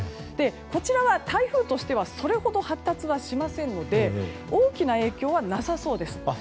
こちらは台風としてはそれほど発達はしませんので大きな影響はなさそうです。